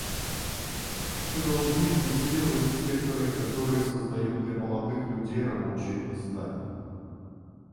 Мы должны инвестировать в секторы, которые создают для молодых людей рабочие места.